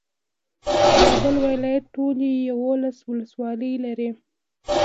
زابل ولايت ټولي يولس ولسوالي لري.